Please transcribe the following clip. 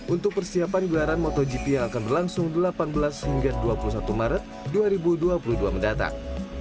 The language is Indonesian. untuk persiapan gelaran motogp yang akan berlangsung delapan belas hingga dua puluh satu maret dua ribu dua puluh dua mendatang